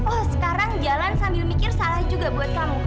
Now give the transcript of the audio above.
oh sekarang jalan sambil mikir salah juga buat kamu